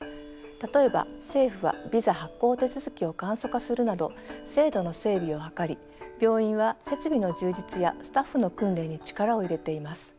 例えば政府はビザ発行手続きを簡素化するなど制度の整備を図り病院は設備の充実やスタッフの訓練に力を入れています。